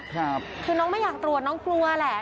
คือน้องไม่อยากตรวจน้องกลัวแหละ